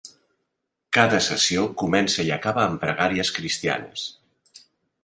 Cada sessió comença i acaba amb pregàries cristianes.